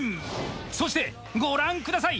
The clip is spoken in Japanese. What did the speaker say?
そして、ご覧ください。